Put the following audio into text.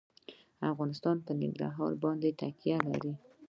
افغانستان په ننګرهار باندې تکیه لري.